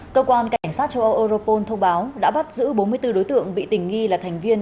cơ quan cảnh sát châu âu europol thông báo đã bắt giữ bốn mươi bốn đối tượng bị tình nghi là thành viên